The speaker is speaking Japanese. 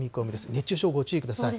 熱中症、ご注意ください。